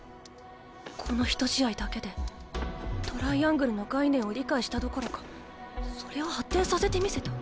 この一試合だけでトライアングルの概念を理解したどころかそれを発展させてみせた。